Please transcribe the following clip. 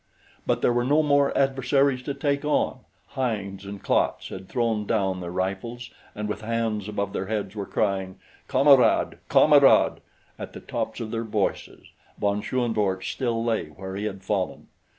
But there were no more adversaries to take on. Heinz and Klatz had thrown down their rifles and with hands above their heads were crying "Kamerad! Kamerad!" at the tops of their voices. Von Schoenvorts still lay where he had fallen.